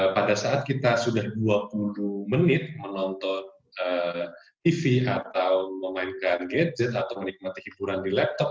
pada saat kita sudah dua puluh menit menonton tv atau memainkan gadget atau menikmati hiburan di laptop